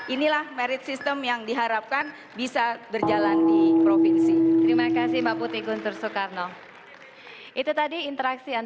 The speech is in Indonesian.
inilah merit system yang diharapkan bisa berjalan di provinsi